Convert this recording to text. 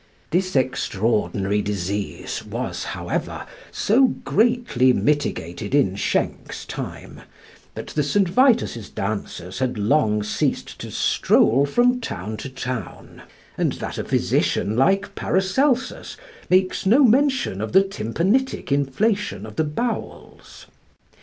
This extraordinary disease was, however, so greatly mitigated in Schenck's time, that the St. Vitus's dancers had long since ceased to stroll from town to town; and that physician, like Paracelsus, makes no mention of the tympanitic inflation of the bowels.